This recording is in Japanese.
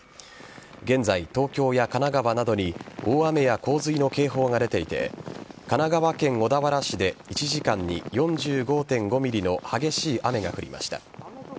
現在、東京や神奈川などに大雨や洪水の警報が出ていて神奈川県小田原市で１時間に４５．５ｍｍの激しい雨が降りました。